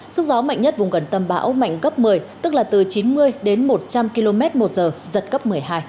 sức gió mạnh nhất vùng gần tâm bão mạnh cấp một mươi tức là từ chín mươi đến một trăm linh km một giờ giật cấp một mươi hai